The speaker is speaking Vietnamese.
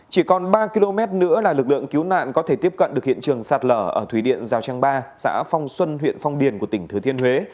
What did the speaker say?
chỉ còn ba km nữa là lực lượng cứu nạn có thể tiếp cận được hiện trường sạt lở ở thủy điện giao trang ba xã phong xuân huyện phong điền của tỉnh thứ thiên huế